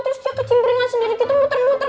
terus dia kejimbringan sendiri gitu muter muter